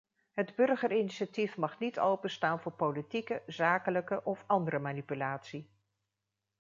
Het burgerinitiatief mag niet openstaan voor politieke, zakelijke of andere manipulatie.